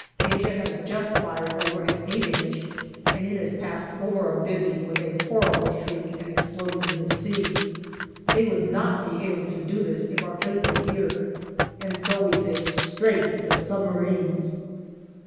Asia has just fired over an 8 inch, and it has passed over our " bivvy " with a horrible shriek and exploded in the sea. They would not be able to do this if our Fleet were here, and so we say " Strafe the submarines